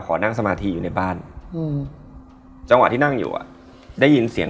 คนนี้ใช่ไหมจะมาเล่าเนี่ย